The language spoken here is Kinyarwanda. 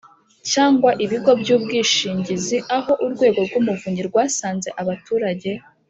cyangwa Ibigo by Ubwishingizi aho Urwego rw Umuvunyi rwasanze abaturage